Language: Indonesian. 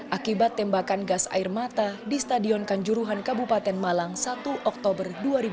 akibat tembakan gas air mata di stadion kanjuruhan kabupaten malang satu oktober dua ribu dua puluh